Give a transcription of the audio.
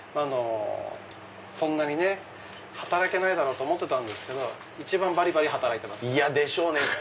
そんなにね働けないだろうと思ってたんですけど一番バリバリ働いてます。でしょうね！